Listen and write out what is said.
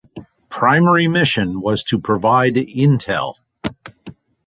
Primary mission was to provide intel.